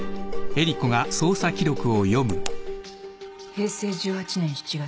「平成１８年７月。